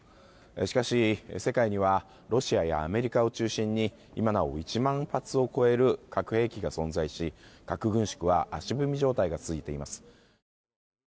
しかし、世界にはロシアやアメリカを中心に今なお１万発を超える核兵器が存在し核軍縮は足踏み状態が続いています。